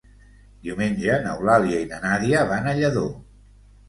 Diumenge n'Eulàlia i na Nàdia van a Lladó.